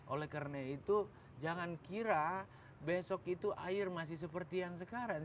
oleh karena itu jangan kira besok itu air masih seperti yang sekarang